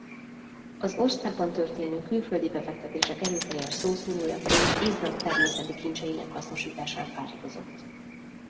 Az országban történő külföldi befektetések erőteljes szószólójaként Izland természeti kincseinek hasznosításán fáradozott.